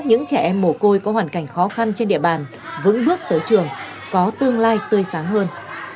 những trẻ em mồ côi có hoàn cảnh khó khăn trên địa bàn vững bước tới trường có tương lai tươi sáng hơn